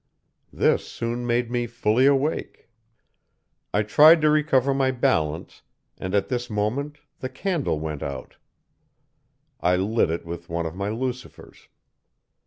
This soon made me fully awake. "I tried to recover my balance, and at this moment the candle went out. I lit it with one of my lucifers.